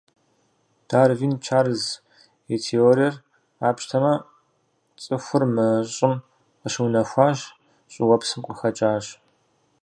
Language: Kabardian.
Дарвин Чарльз и теориер къапщтэмэ, цӏыхур мы Щӏым къыщыунэхуащ, щӏыуэпсым къыхэкӏащ.